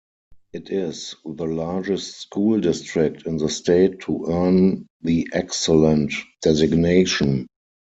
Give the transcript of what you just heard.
It is the largest school district in the state to earn the 'Excellent' designation.